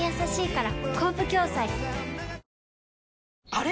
あれ？